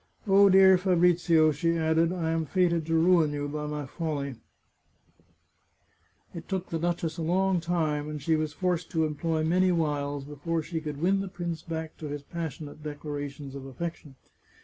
Oh, dear Fabrizio," she added, " I am fated to ruin you by my folly !" It took the duchess a long time, and she was forced to employ many wiles, before she could win the prince back to his passionate declarations of aflfection.